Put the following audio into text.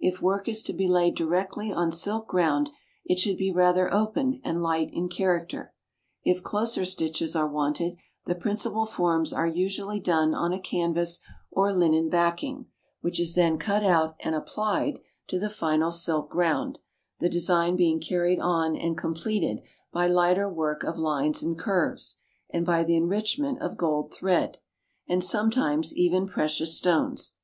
If work is to be laid directly on silk ground, it should be rather open and light in character; if closer stitches are wanted, the principal forms are usually done on a canvas or linen backing, which is then cut out and "applied" to the final silk ground, the design being carried on and completed by lighter work of lines and curves, and by the enrichment of gold thread, and sometimes even precious stones.